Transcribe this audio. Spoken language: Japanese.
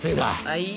はい。